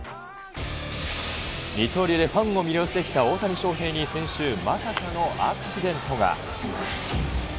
二刀流でファンを魅了してきた大谷翔平に先週、まさかのアクシデントが。